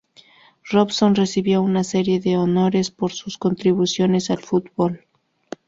Robson recibió una serie de honores por sus contribuciones al fútbol.